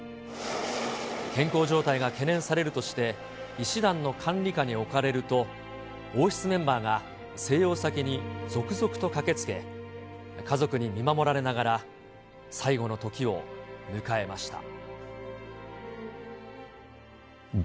健康状態が懸念されるとして医師団の管理下に置かれると、王室メンバーが静養先に続々と駆けつけ、家族に見守られながら、最期のときを迎えました。